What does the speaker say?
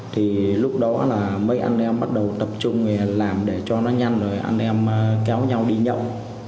thì lúc đó là mấy anh em bắt đầu tập trung làm để cho nó nhanh rồi anh em kéo nhau đi nhau